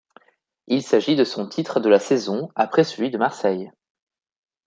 Il s'agit de son titre de la saison après celui de Marseille.